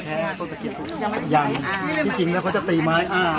ไปบ้านพี่ไอ่มองกล้องหน่อยค่ะ